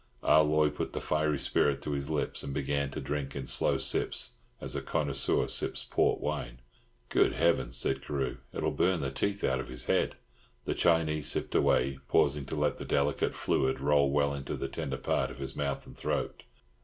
Ah Loy put the fiery spirit to his lips, and began to drink in slow sips, as a connoisseur sips port wine. "Good heavens," said Carew, "it'll burn the teeth out of his head." The Chinee sipped away, pausing to let the delicate fluid roll well into the tender part of his mouth and throat.